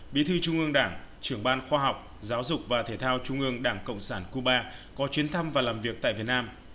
bí thư trung ương đảng trưởng ban khoa học giáo dục và thể thao trung ương đảng cộng sản cuba có chuyến thăm và làm việc tại việt nam